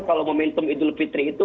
kalau momentum idul fitri itu